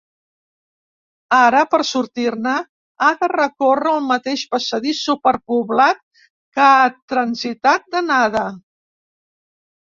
Ara per sortir-ne ha de recórrer el mateix passadís superpoblat que ha transitat d'anada.